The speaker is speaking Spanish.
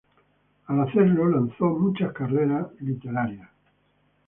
Al hacerlo, lanzó muchas carreras literarias.